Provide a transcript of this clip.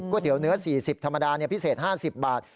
เตี๋ยวเนื้อ๔๐ธรรมดาพิเศษ๕๐บาท